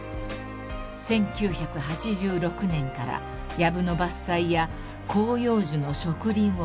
［１９８６年からやぶの伐採や広葉樹の植林を開始］